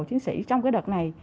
chính sĩ trong cái đợt này